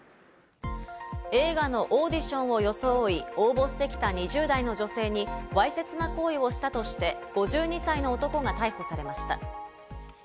映画のオーディションを装い、応募してきた２０代の女性にわいせつな行為をしたとして、５２歳の男が逮捕されました。